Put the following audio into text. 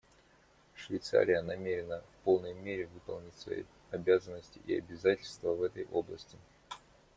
Швейцария намерена в полной мере выполнить свои обязанности и обязательства в этой области.